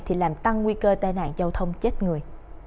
thì làm tăng nguy cơ tai nạn giao thông chết người